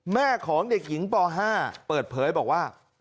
แม่ของเด็กหญิงป๕เปิดเผยบอกว่า